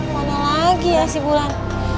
mana lagi ya si bulan